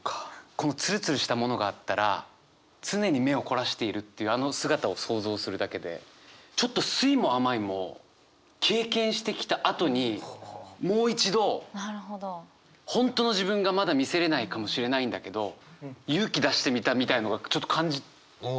このツルツルしたものがあったら常に目を凝らしているっていうあの姿を想像するだけでちょっと酸いも甘いも経験してきたあとにもう一度本当の自分がまだ見せれないかもしれないんだけど勇気出してみたみたいのがちょっと感じ取れる。